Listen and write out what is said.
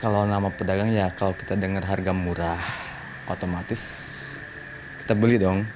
kalau nama pedagang ya kalau kita dengar harga murah otomatis kita beli dong